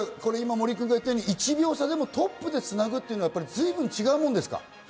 大八木監督、１秒差でもトップでつなぐというのは随分違うものですか？